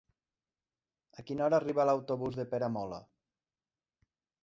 A quina hora arriba l'autobús de Peramola?